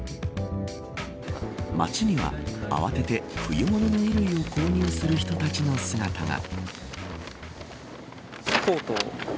街には、あわてて冬物の衣類を購入する人たちの姿が。